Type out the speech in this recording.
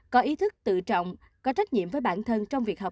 có ý thức tự trọng có trách nhiệm với bản thân trong việc học